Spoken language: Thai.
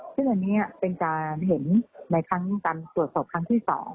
ที่นี่เป็นการเห็นในการตรวจสอบทางที่๒